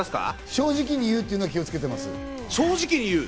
正直に言うということを気をつけています。